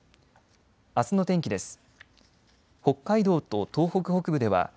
あすの天気です。